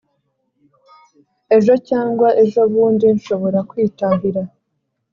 ejo cyangwa ejobundi nshobora kwitahira